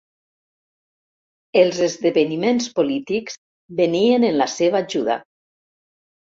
Els esdeveniments polítics venien en la seva ajuda.